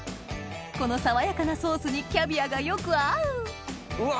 この爽やかなソースにキャビアがよく合ううわ